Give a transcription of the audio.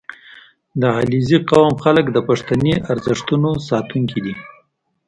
• د علیزي قوم خلک د پښتني ارزښتونو ساتونکي دي.